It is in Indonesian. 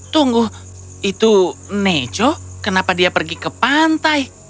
tunggu itu neco kenapa dia pergi ke pantai